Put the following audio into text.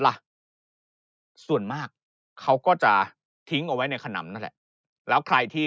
ล่ะส่วนมากเขาก็จะทิ้งเอาไว้ในขนำนั่นแหละแล้วใครที่